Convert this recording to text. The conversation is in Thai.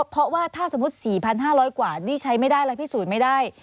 เพราะว่าถ้าสมมุติ๔๕๐๐กว่านี่ใช้ไม่ได้และพิสูจน์ไม่ได้